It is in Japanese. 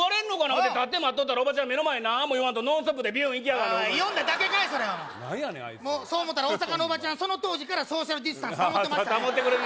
思て立って待っとったらおばちゃん目の前何も言わんとノンストップでビューン行きやがるああ呼んだだけかいそりゃ何やねんあいつもうそう思ったら大阪のおばちゃんその当時からソーシャルディスタンス保ってましたね